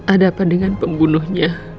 ada apa dengan pembunuhnya